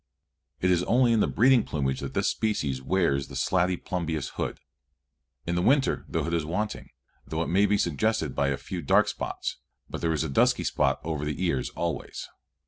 It is only in the breeding plumage that this species wears the slaty plumbeous hood. In the winter the hood is wanting, though it may be suggested by a few dark spots, but there is a dusky spot over the ears always.